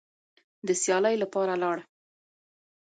د سیالۍ لپاره لاړه